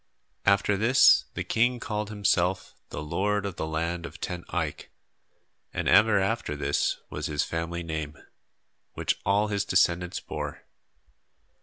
After this, the king called himself the Lord of the Land of Ten Eyck, and ever after this was his family name, which all his descendants bore.